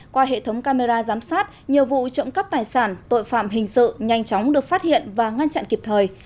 qua hệ thống camera giám sát nhiều vụ trộm cắp tài sản tội phạm hình sự nhanh chóng được phát hiện và ngăn chặn kịp thời